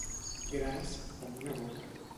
Gras com una bota.